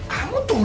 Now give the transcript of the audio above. kamu tuh li